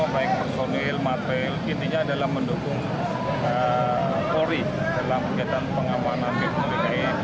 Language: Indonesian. baik personil material intinya adalah mendukung polri dalam kegiatan pengamanan dki dua ribu tujuh belas